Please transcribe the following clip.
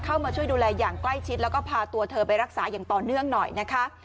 เข้ามาช่วยดูแลอย่างใกล้ชิดแล้วก็พาตัวเธอไปรักษาอย่างต่อเนื่องหน่อยนะคะ